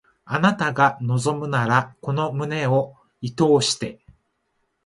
あなたが望むならこの胸を射通して